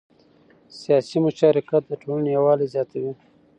سیاسي مشارکت د ټولنې یووالی زیاتوي